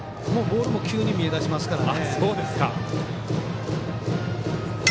ボールも急に見え出しますから。